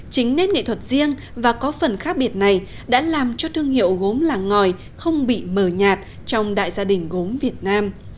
chính nét nghệ thuật riêng và có phần khác biệt này đã làm cho thương hiệu gốm làng ngòi không bị mờ nhạt trong đại gia đình gốm việt nam